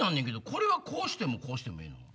これはこうしてもこうしてもいいの？